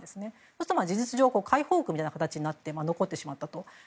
そうすると、事実上の解放区みたいな形になって残ったと。